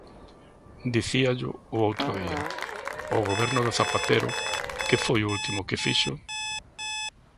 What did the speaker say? Dicíallo o outro día: o goberno de Zapatero ¿que foi o último que fixo?